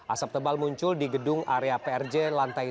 asap tebal muncul di gedung area prj lantai tiga